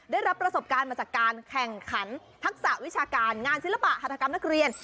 ได้รับประสบการณ์มาจากการแข่งขันทักษะวิชาการงานศิลปะหัฐกรรมนักเรียน